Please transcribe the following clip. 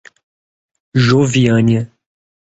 Joviânia